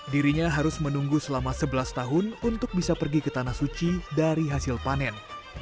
dirinya harus menunggu selama sebelas tahun untuk bisa pergi ke tanah suci dari hasil panen